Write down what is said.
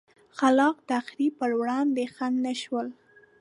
خلا ق تخریب پر وړاندې خنډ نه شول.